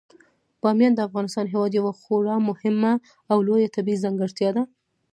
بامیان د افغانستان هیواد یوه خورا مهمه او لویه طبیعي ځانګړتیا ده.